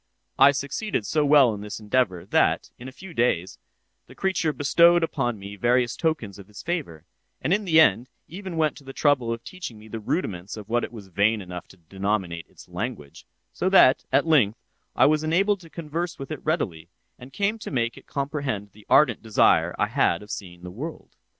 I succeeded so well in this endeavor that, in a few days, the creature bestowed upon me various tokens of his favor, and in the end even went to the trouble of teaching me the rudiments of what it was vain enough to denominate its language; so that, at length, I was enabled to converse with it readily, and came to make it comprehend the ardent desire I had of seeing the world.